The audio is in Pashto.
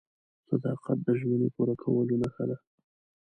• صداقت د ژمنې پوره کولو نښه ده.